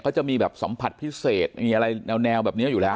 เขาจะมีแบบสัมผัสพิเศษมีอะไรแนวแบบนี้อยู่แล้ว